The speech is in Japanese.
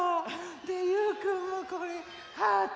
でゆうくんもこれハート。